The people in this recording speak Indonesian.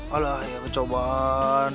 alah ya pecobaan